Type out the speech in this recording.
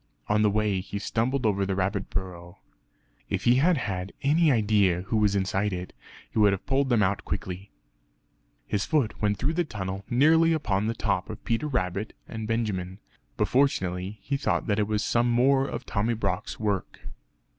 On the way, he stumbled over the rabbit burrow. If he had had any idea who was inside it, he would have pulled them out quickly. His foot went through the tunnel nearly upon the top of Peter Rabbit and Benjamin, but fortunately he thought that it was some more of Tommy Brock's work.